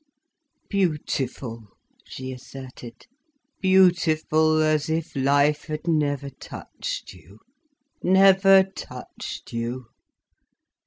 "Beautiful," she asserted, "beautiful as if life had never touched you—never touched you.